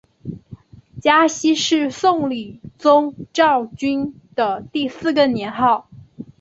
嘉熙是宋理宗赵昀的第四个年号。